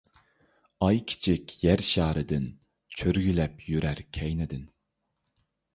ئاي كىچىك يەر شارىدىن، چۆرگۈلەپ يۈرەر كەينىدىن.